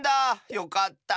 よかった。